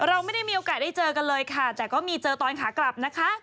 เราไม่ได้มีโอกาสได้เจอกันเลยค่ะแต่ก็มีเจอตอนขากลับนะคะ